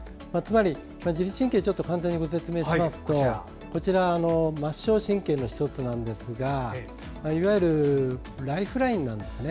自律神経について簡単にご説明しますと末しょう神経の１つですがいわゆるライフラインなんですね。